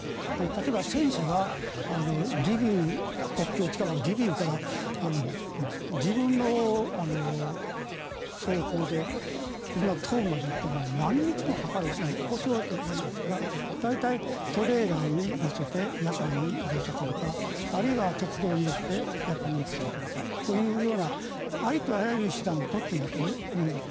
例えば、戦車が国境近くのリビウから自分の走行でこんな東部まで行ったら何日もかかるし故障して駄目ですから大体、トレーラーに載せて夜間に移動させるかあるいは鉄道に乗せて夜間に移動させるかというようなありとあらゆる手段を取っているんだと思います。